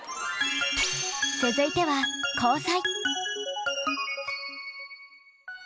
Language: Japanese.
続いては交際。